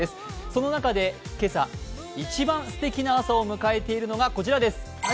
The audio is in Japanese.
その中で今朝一番すてきな朝を迎えているのがこちらです。